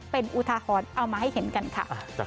เป็นอุทาหรณ์เอามาให้เห็นกันค่ะ